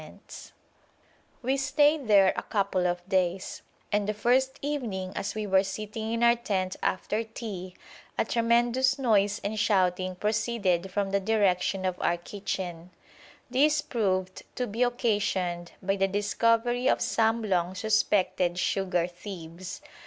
[Illustration: DRAGON'S BLOOD TREES AT YEHAZAHAZ] We stayed there a couple of days, and the first evening as we were sitting in our tent after tea, a tremendous noise and shouting proceeded from the direction of our kitchen. This proved to be occasioned by the discovery of some long suspected sugar thieves.